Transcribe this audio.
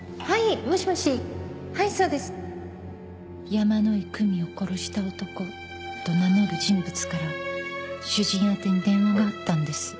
山井久美を殺した男と名乗る人物から主人宛てに電話があったんです。